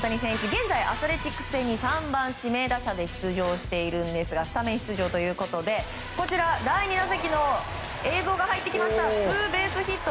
現在、アスレチックス戦に３番指名打者で出場しているんですがスタメン出場ということで第２打席の映像が入ってきました。